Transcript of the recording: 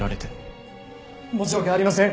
申し訳ありません！